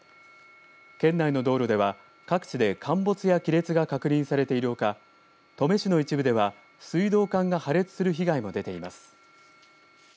県内の道路では各地で陥没や亀裂が確認されているほか登米市の一部では水道管が破裂する被害も出ています。